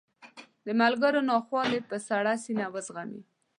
د ملګرو ناخوالې په سړه سینه وزغمي.